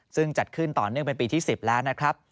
ซึ่งจัดขึ้นต่อเนื่องเป็นปีที่๑๐แล้วนะครับ